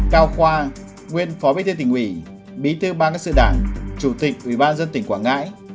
cao khoa nguyên phó bí tư tỉnh ủy bí tư ban các sự đảng chủ tịch ủy ban dân tỉnh quảng ngai